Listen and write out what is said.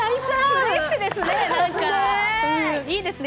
フレッシュですね！